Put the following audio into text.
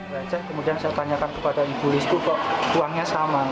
kemudian saya tanyakan kepada ibu lisku kok uangnya sama